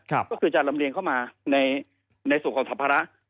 ก็คือจะลำเรียงเข้ามาในส่วนของสัมภาระ